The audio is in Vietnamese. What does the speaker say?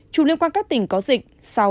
chủng liên quan các tỉnh có dịch sáu